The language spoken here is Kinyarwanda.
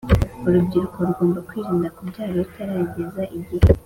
Urubyiruko rugomba kwirinda kubyara rutarageza igihe